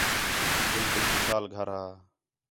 بالکل خوشحال گھر ہا